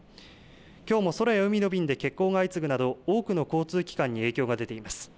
きょうも空や海の便で欠航が相次ぐなど、多くの交通機関に影響が出ています。